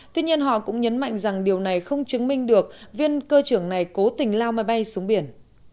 tuy nhiên họ cũng nhấn mạnh rằng điều này không chứng minh được viên cơ trưởng này cố tình lao máy bay xuống biển